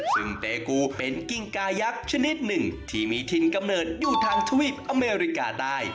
ซึ่งเปกูเป็นกิ้งกายักษ์ชนิดหนึ่งที่มีถิ่นกำเนิดอยู่ทางทวีปอเมริกาใต้